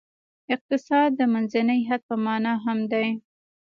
اقتصاد د منځني حد په معنا هم دی.